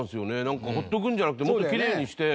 なんか放っておくんじゃなくてもっときれいにして。